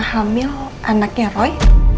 pernah hamil anaknya roy